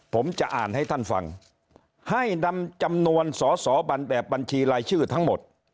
ผมจะอ่านให้ท่านฟังให้นำจำนวนสอสอบันแบบบัญชีรายชื่อทั้งหมด